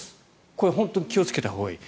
これ、本当に気をつけたほうがいい。